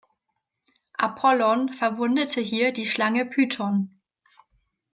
Apollon verwundete hier die Schlange Python.